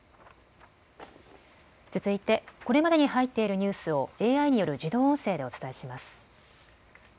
続いてこれまでに入っているニュースをＡＩによる自動音声でお伝えします。